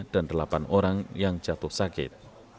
dan delapan orang yang jatuh sakit